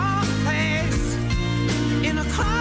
tetap bersama kami